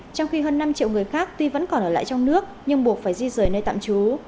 trong khi hơn năm triệu người khác tuy vẫn còn ở lại trong nước nhưng buộc phải di rời nơi tạm trú